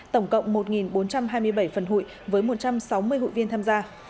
tổng cộng một bốn trăm hai mươi bảy phần hụi với một trăm sáu mươi hội viên tham gia